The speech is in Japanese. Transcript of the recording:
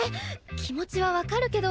気持ちは分かるけど。